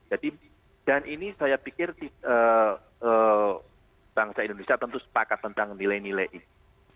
jadi dan ini saya pikir bangsa indonesia tentu sepakat tentang nilai nilai itu